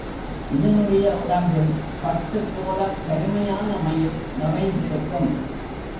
இதனுடைய உடம்பில் பட்டுப்போலக் கருமையான மயிர் நிறைந்திருக்கும்.